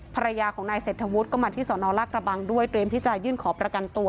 ภรรยาของนายเศรษฐวุฒิก็มาที่สอนอลลากระบังด้วยเตรียมที่จะยื่นขอประกันตัว